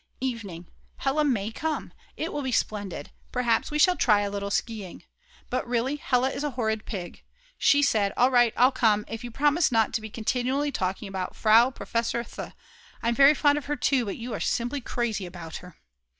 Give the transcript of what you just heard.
Evening. Hella may come; it will be splendid! Perhaps we shall try a little skiing. But really Hella is a horrid pig; she said: "All right, I'll come, if you'll promise not to be continually talking about Frau Professor Th. I'm very fond of her too, but you are simply crazy about her."